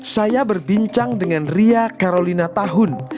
saya berbincang dengan ria karolina tahun